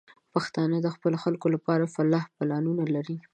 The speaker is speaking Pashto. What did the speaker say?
پښتانه د خپلو خلکو لپاره د فلاح پلانونه لري.